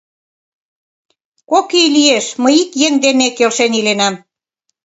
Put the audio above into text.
— Кок ий лиеш мый ик еҥ дене келшен иленам.